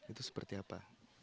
itu seperti apa